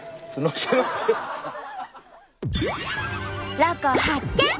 ロコ発見！